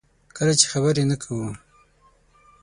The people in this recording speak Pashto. کله چې خبرې نه کوو.